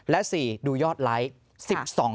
และ๔ดูยอดไลค์